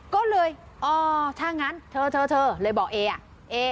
ก็เลยอ๋อถ้างั้นเธอเธอเธอเลยบอกเอ๋อ